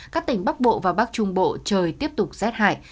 các tỉnh bắc bộ và bắc trung bộ trời tiếp tục rét hại